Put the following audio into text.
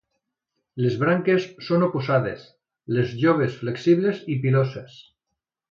Les branques són oposades, les joves flexibles i piloses.